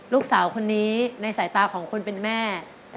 ลูกสาวคนนี้ในสายตาของคนเป็นแม่